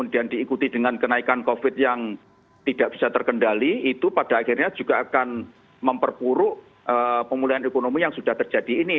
diikuti dengan kenaikan covid yang tidak bisa terkendali itu pada akhirnya juga akan memperpuruk pemulihan ekonomi yang sudah terjadi ini